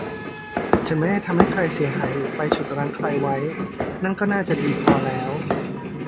ฉันไม่ได้ทำให้ใครเสียหายหรือไปฉุดรั้งใครไว้ นั่นก็น่าจะดีพอแล้ว